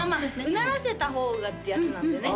唸らせた方がってやつなんでね